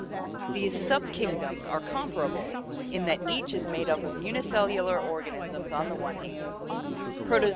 These subkingdoms are comparable in that each is made up of unicellular organisms on the one hand, Protozoa (Gr.